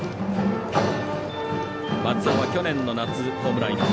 松尾は去年の夏ホームラン１本。